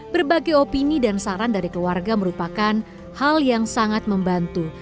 berbagai opini dan saran dari keluarga merupakan hal yang sangat membantu